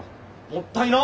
もったいな！